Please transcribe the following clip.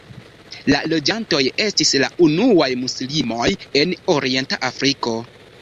La loĝantoj estis la unuaj muslimoj en orienta Afriko.